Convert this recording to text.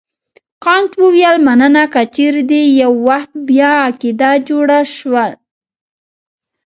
کانت وویل مننه که چیرې دې یو وخت بیا عقیده جوړه شول.